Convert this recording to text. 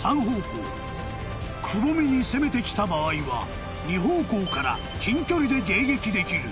［くぼみに攻めてきた場合は２方向から近距離で迎撃できる］